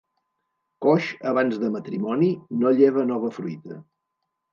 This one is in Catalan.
Coix abans de matrimoni no lleva nova fruita.